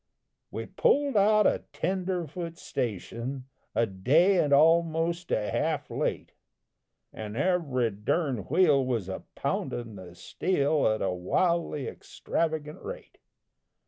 We pulled out of Tenderfoot Station, A day and almost a half late, An' every durn wheel was a poundin' the steel At a wildly extravagant rate.